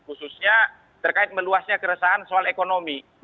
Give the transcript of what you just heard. khususnya terkait meluasnya keresahan soal ekonomi